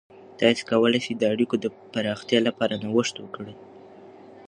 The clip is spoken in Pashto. تاسې کولای سئ د اړیکو د پراختیا لپاره نوښت وکړئ.